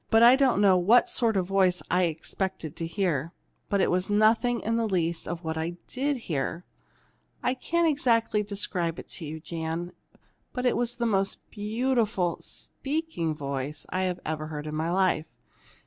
I don't know what sort of a voice I had expected to hear, but it was nothing in the least like what I did hear. "I can't exactly describe it to you, Jan, but it was the most beautiful speaking voice I've ever heard in my life!